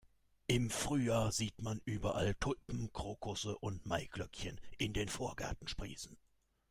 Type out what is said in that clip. Im Frühjahr sieht man überall Tulpen, Krokusse und Maiglöckchen in den Vorgärten sprießen.